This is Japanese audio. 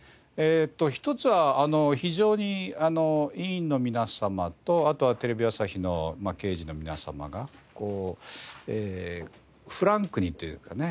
一つは非常に委員の皆様とあとはテレビ朝日の経営陣の皆様がフランクにというかね